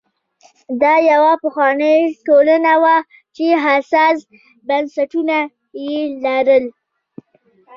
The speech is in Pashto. دا یوه پخوانۍ ټولنه وه چې حساس بنسټونه یې لرل.